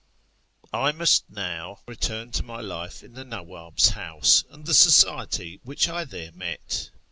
I must now return to my life in the Nawwab's house, and the society which I there met.